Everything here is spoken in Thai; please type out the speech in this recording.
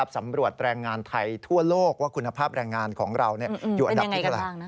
สำรวจแรงงานไทยทั่วโลกว่าคุณภาพแรงงานของเราอยู่อันดับที่เท่าไหร่